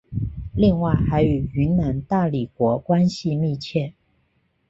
另外还与云南大理国关系密切。